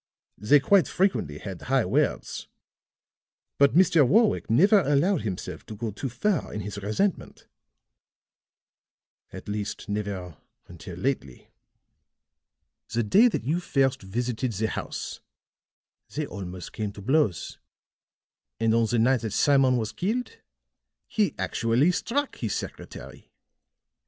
They quite frequently had high words; but Mr. Warwick never allowed himself to go too far in his resentment at least never until lately. The day that you first visited the house, they almost came to blows; and on the night that Simon was killed, he actually struck his secretary."